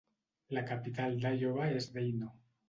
La capital d'Ioba és Dano.